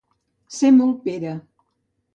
Ser molt Pere.